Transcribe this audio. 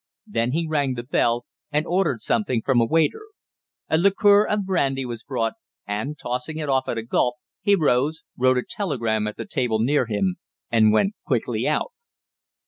Then he rang the bell, and ordered something from a waiter. A liqueur of brandy was brought, and, tossing it off at a gulp, he rose, wrote a telegram at the table near him, and went quickly out.